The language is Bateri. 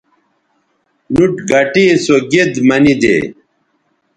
نُوٹ گٹے سو گید منیدے